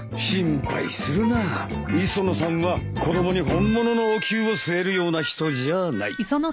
心配するな磯野さんは子供に本物のおきゅうを据えるような人じゃない。